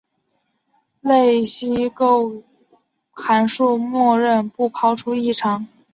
类析构函数默认不抛出异常。